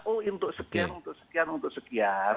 oh untuk sekian untuk sekian untuk sekian